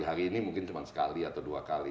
hari ini mungkin cuma sekali atau dua kali